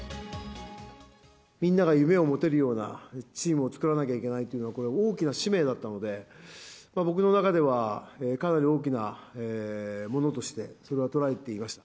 みんなが夢を持てるようなチームを作らなきゃいけないというのは、これ、大きな使命だったので、僕の中では、かなり大きなものとして、それは捉えていました。